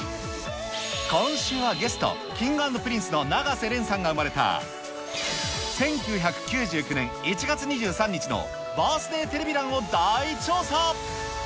今週のゲスト、Ｋｉｎｇ＆Ｐｒｉｎｃｅの永瀬廉さんが生まれた１９９９年１月２３日のバースデーテレビ欄を大調査。